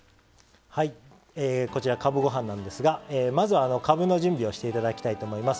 かぶご飯なんですがまず、かぶの準備をしていただきたいと思います。